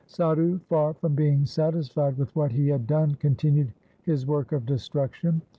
Sadhu far from being satisfied with what he had done continued his work of destruction.